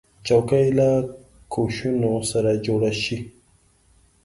چوکۍ له کوشنو سره جوړه شي.